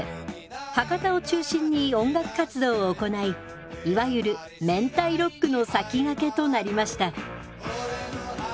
博多を中心に音楽活動を行いいわゆるめんたいロックの先駆けとなりました。